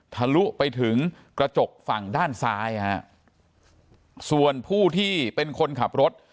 ทะลุไปถึงกระจกฝั่งด้านซ้ายฮะส่วนผู้ที่เป็นคนขับรถ